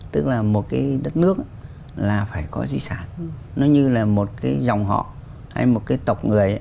tức là một cái đất nước là phải có di sản nó như là một cái dòng họ hay một cái tộc người